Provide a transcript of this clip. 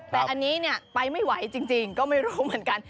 แต่อันนี้เนี่ยไปไม่ไหวจริงก็ไม่รู้เหมือนกัน